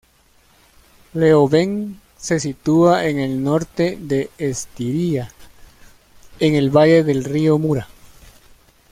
Leoben se sitúa en el norte de Estiria, en el valle del río Mura.